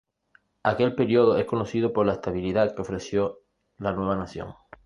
Aquel período es conocido por la estabilidad que ofreció la nueva nación.